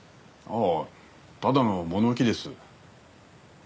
ああただの物置です。